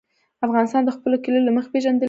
افغانستان د خپلو کلیو له مخې پېژندل کېږي.